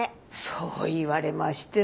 そう言われましても。